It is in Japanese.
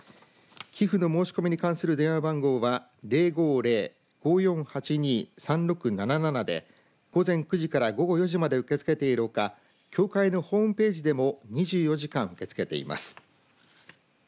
寄付の申し込みに関する電話番号は０５０‐５４８２‐３６７７で午前９時から午後４時まで受け付けているほか協会のホームページでも２４時間受け付けています。